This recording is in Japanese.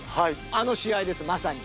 あの試合ですまさに。